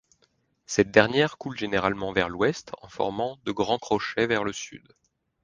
Cette dernière coule généralement vers l’Ouest en formant de grand crochet vers le Sud.